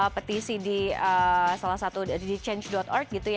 petisi di salah satu di change org gitu ya